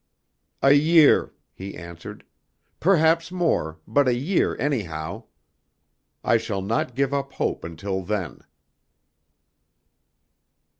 "A year," he answered, "perhaps more, but a year anyhow. I shall not give up hope until then."